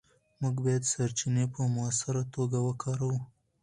موږ باید سرچینې په مؤثره توګه وکاروو.